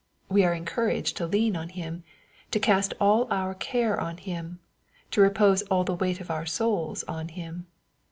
We are encouraged to lean on Him, to cast all our care on Him, to repose all the weight of our souls on Him.